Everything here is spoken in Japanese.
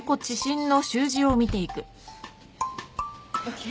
ＯＫ。